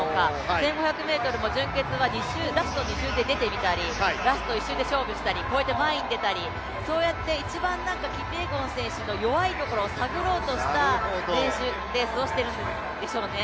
１５００ｍも準決はラスト２周で出てみたりラスト１周で勝負したり、こうやって前に出たり、キピエゴン選手の１番弱いところを探ろうとしたレースをしているんでしょうね。